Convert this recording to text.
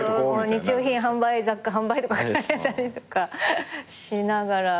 日用品販売雑貨販売とか書いたりとかしながら。